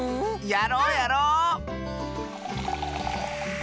やろうやろう！